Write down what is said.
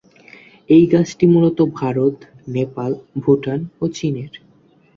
এই গাছটি মূলত ভারত, নেপাল, ভুটান ও চীনের।